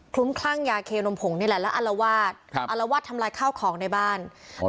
คลุ้มคลั่งยาเคนมผงนี่แหละแล้วอัลวาสอัลวาสทำร้ายข้าวของในบ้าน